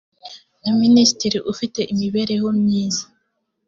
na minisitiri ufite imibereho myiza